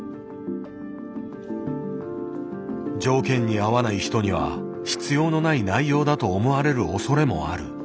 条件に合わない人には必要のない内容だと思われるおそれもある。